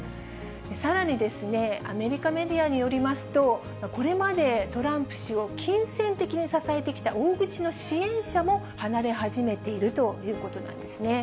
さらにですね、アメリカメディアによりますと、これまでトランプ氏を金銭的に支えてきた大口の支援者も、離れ始めているということなんですね。